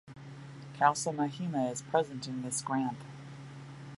Khalsa Mahima is present in this granth.